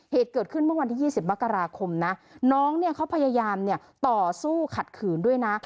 เหตุเกิดขึ้นเมื่อวันที่๒๐มกราคมนะน้องเนี่ยเขาพยายามต่อสู้ขัดขืนด้วยนะ